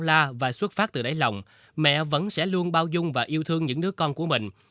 nếu mẹ dành cho con vẫn bao la và xuất phát từ đáy lòng mẹ vẫn sẽ luôn bao dung và yêu thương những đứa con của mình